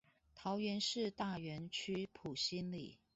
桃園市大園區埔心里